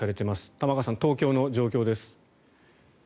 玉川さん、東京の状況です。